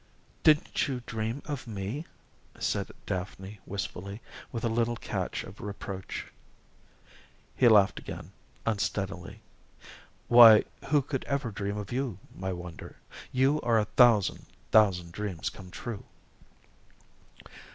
"Didn't you dream of me?" asked Daphne wistfully, with a little catch of reproach. He laughed again, unsteadily. "Why, who could ever dream of you, my Wonder? You are a thousand, thousand dreams come true."